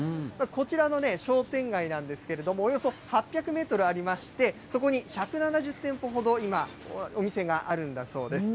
こちらの商店街なんですけれども、およそ８００メートルありまして、そこに１７０店舗ほど、今、お店があるんだそうです。